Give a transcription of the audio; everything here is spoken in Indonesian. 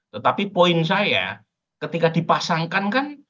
tetapi poin saya ketika dipasangkan kan